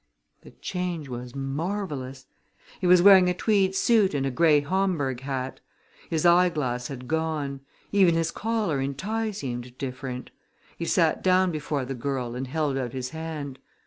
The change was marvelous. He was wearing a tweed suit and a gray Homburg hat. His eyeglass had gone. Even his collar and tie seemed different. He sat down before the girl and held out his hand.